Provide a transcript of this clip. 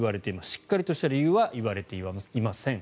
しっかりとした理由は言われていません。